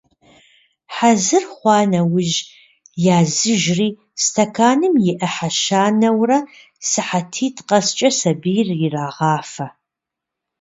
Хьэзыр хъуа нэужь языжри, стэканым и ӏыхьэ щанэурэ сыхьэтитӏ къэскӏэ сабийр ирагъафэ.